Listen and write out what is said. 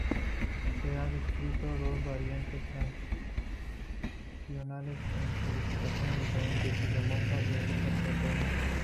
Se han descrito dos variantes transcripcionales que codifican diferentes isoformas de esta proteína.